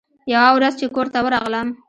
يوه ورځ چې کور ته ورغلم.